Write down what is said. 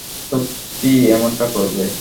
সত্যিই এমনটা করবে?